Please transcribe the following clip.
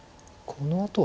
このあと？